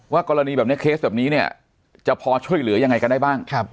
กรณีแบบนี้เคสแบบนี้เนี่ยจะพอช่วยเหลือยังไงกันได้บ้าง